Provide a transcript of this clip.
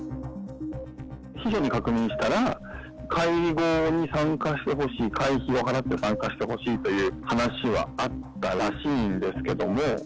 秘書に確認したら、会合に参加してほしい、会費を払って参加してほしいという話があったらしいんですけども。